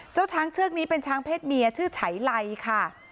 ช้างเชือกนี้เป็นช้างเพศเมียชื่อฉายไลค่ะ